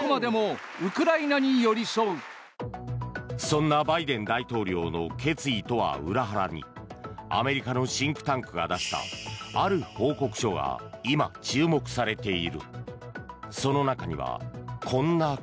そんなバイデン大統領の決意とは裏腹にアメリカのシンクタンクが出したある報告書が今、注目されている。